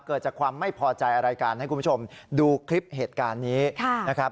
เกิดจากความไม่พอใจอะไรกันให้คุณผู้ชมดูคลิปเหตุการณ์นี้นะครับ